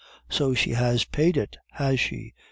so she has paid it, has she?